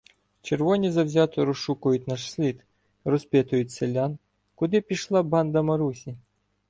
Червоні завзято розшукують наш слід, розпитують селян, куди пішла "банда Марусі"?